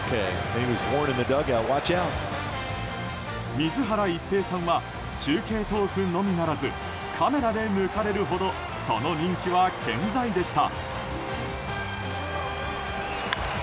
水原一平さんは中継トークのみならずカメラで抜かれるほどその人気は健在でした。